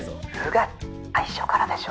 「穿最初からでしょ。